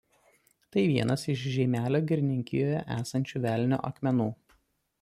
Tai vienas iš Žeimelio girininkijoje esančių Velnio akmenų.